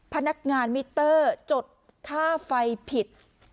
พนักงานมิเตอร์จดค่าไฟผิด